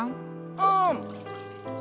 うん！